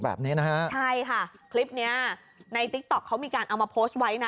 แบบนี้นะฮะใช่ค่ะคลิปเนี้ยในติ๊กต๊อกเขามีการเอามาโพสต์ไว้นะ